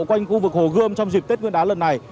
quanh khu vực hồ gươm trong dịp tết nguyên đán lần này